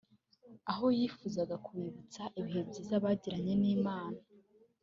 aho yifuzaga kubibutsa ibihe byiza bagiranye n'Imana